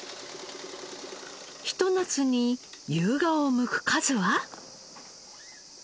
ひと夏にユウガオをむく数は？